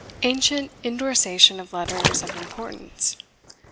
Ancient Indorsation of Letters of Importance.